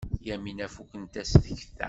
Yamina fukent-as tekta.